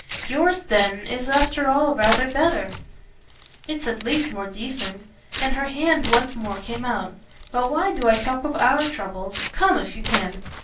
"Yours then is after all rather better." "It's at least more decent." And her hand once more came out. "But why do I talk of OUR troubles? Come if you can."